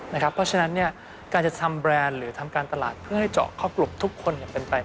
เพราะฉะนั้นการจะทำแบรนด์หรือทำการตลาดเพื่อให้เจาะเข้ากลุ่มทุกคนอย่างเป็นไป